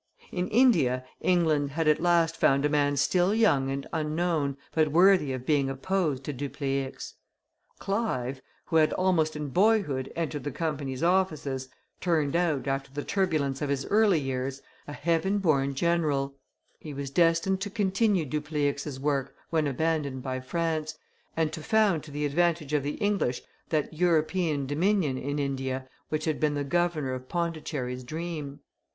In India England had at last found a man still young and unknown, but worthy of being opposed to Dupleix. Clive, who had almost in boyhood entered the Company's offices, turned out, after the turbulence of his early years, a heaven born general; he was destined to continue Dupleix's work, when abandoned by France, and to found to the advantage of the English that European dominion in India which had been the Governor of Pondicherry's dream.